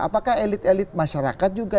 apakah elit elit masyarakat juga